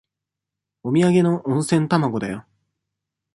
おみやげの温泉卵だよ。